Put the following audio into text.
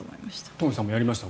東輝さんもやりました？